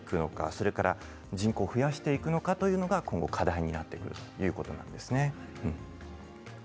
それから人工増やしていくのかが今後の課題になっていくということですね。